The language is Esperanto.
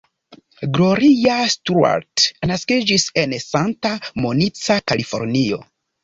Gloria Stuart naskiĝis en Santa Monica, Kalifornio.